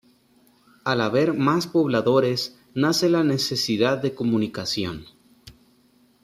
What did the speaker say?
Al haber más pobladores, nace la necesidad de comunicación.